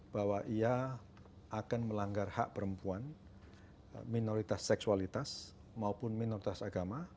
bahwa ia akan melanggar hak perempuan minoritas seksualitas maupun minoritas agama